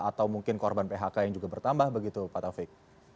atau mungkin korban phk yang juga bertambah begitu pak taufik